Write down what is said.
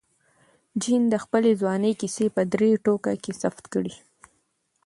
جین د خپلې ځوانۍ کیسې په درې ټوکه کې ثبت کړې.